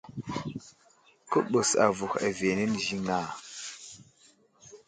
Kə ɓes avuh aviyenene ziŋ a ?